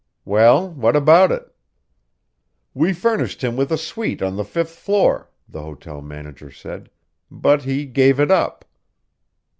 "Well, what about it?" "We furnished him with a suite on the fifth floor," the hotel manager said. "But he gave it up."